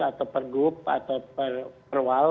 atau pergub atau perwal